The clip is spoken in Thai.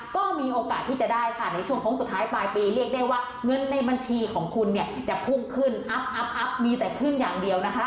ก็มีโอกาสที่จะได้ค่ะในช่วงโค้งสุดท้ายปลายปีเรียกได้ว่าเงินในบัญชีของคุณเนี่ยจะพุ่งขึ้นอัพมีแต่ขึ้นอย่างเดียวนะคะ